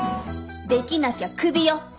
できなきゃクビよ。